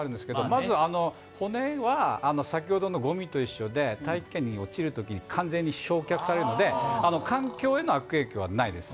まず、骨は先ほどのごみと一緒で大気圏に落ちるとき、完全に焼却されるので環境への悪影響はないです。